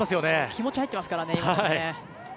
気持ち入ってますからね。